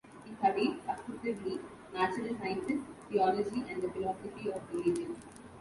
He studied, successively, natural sciences, theology and the philosophy of religion.